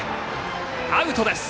アウトです。